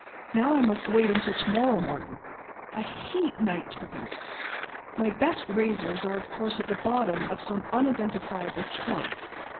Now I must wait until to morrow morning. I hate night trains. My best razors are, of course, at the bottom of some unidentifiable trunk.